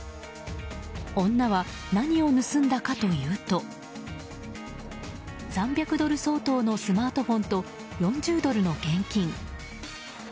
女は何を盗んだかというと３００ドル相当のスマートフォンと４０ドルの現金。